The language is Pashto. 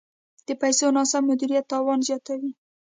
د پیسو ناسم مدیریت تاوان زیاتوي.